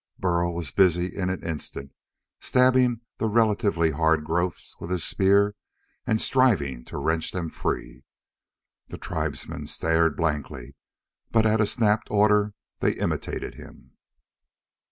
Burl was busy in an instant, stabbing the relatively hard growths with his spear and striving to wrench them free. The tribesmen stared blankly, but at a snapped order they imitated him.